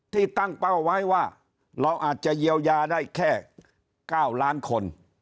ตั้งเป้าไว้ว่าเราอาจจะเยียวยาได้แค่๙ล้านคน